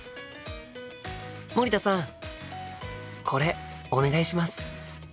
森田さんこれお願いします。